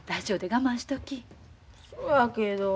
そやけど。